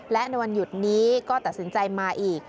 และในวันหยุดนี้ก็ตัดสินใจมาอีก